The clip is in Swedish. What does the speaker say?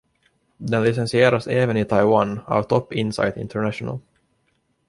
Den licensieras även i Taiwan av Top-Insight International.